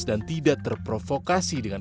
dan tidak terprovokasi dengan